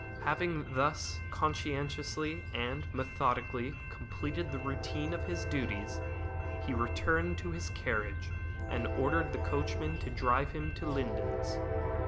Having thus conscientiously and methodically completed the routine of his duties, he returned to his carriage and ordered the coachman to drive him to The Lindens.